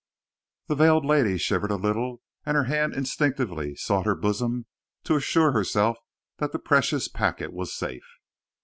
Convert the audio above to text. The veiled lady shivered a little, and her hand instinctively sought her bosom to assure herself that the precious packet was safe.